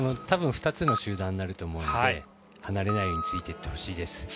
たぶん２つの集団になると思うので、離れないようについていってほしいです。